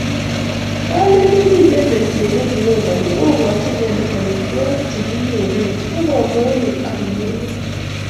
kaleni mito besie ne kiroboni kukochi inende amitwogik che kinyei beek, kobwaa moonik akumeyo